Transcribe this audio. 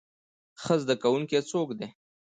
ښه زده کوونکی څوک دی؟